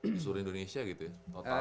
di seluruh indonesia gitu ya